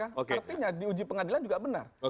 artinya di uji pengadilan juga benar